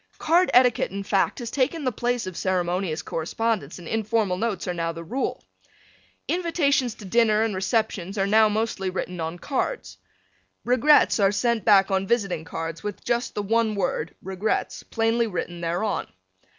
Card etiquette, in fact, has taken the place of ceremonious correspondence and informal notes are now the rule. Invitations to dinner and receptions are now mostly written on cards. "Regrets" are sent back on visiting cards with just the one word "Regrets" plainly written thereon.